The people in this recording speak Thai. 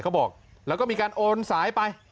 เขาบอกแล้วก็มีการโอนสายไป